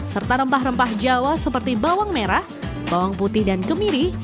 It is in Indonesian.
serta rempah rempah jawa seperti bawang merah bawang putih dan kemiri